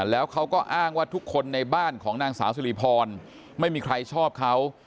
แล้วเขาก็อ้างว่าทุกคนในบ้านของนางสาวสิริพรไม่มีใครชอบเขา